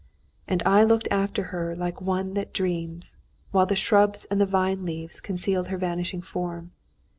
And I looked after her like one that dreams, while the shrubs and the vine leaves concealed her vanishing form.